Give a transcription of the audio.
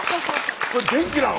これ電気なの？